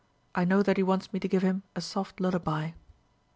I know that he wants me to give him a soft lullaby."